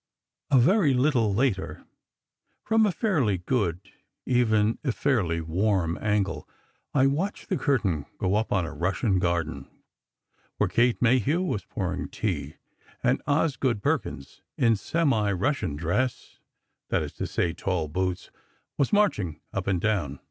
A very little later, from a fairly good, even if fairly warm, angle, I watched the curtain go up on a Russian garden, where Kate Mayhew was pouring tea and Osgood Perkins, in semi Russian dress—that is to say, tall boots—was marching up and down.